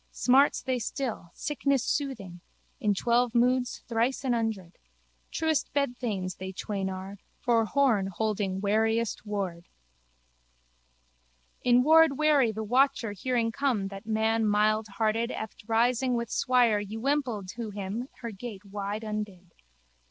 Smarts they still, sickness soothing: in twelve moons thrice an hundred. Truest bedthanes they twain are, for Horne holding wariest ward. In ward wary the watcher hearing come that man mildhearted eft rising with swire ywimpled to him her gate wide undid.